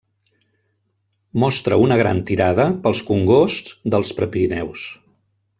Mostra una gran tirada pels congosts dels Prepirineus.